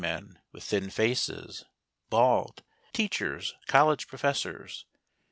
23 men with thin faces, bald — teachers, college professors.